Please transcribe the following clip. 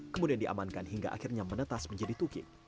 kemudian diamankan hingga akhirnya menetas menjadi tukik